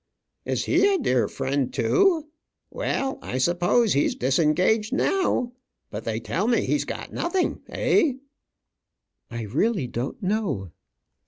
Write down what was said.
"Is he a dear friend too? Well, I suppose he's disengaged now. But they tell me he's got nothing, eh?" "I really don't know."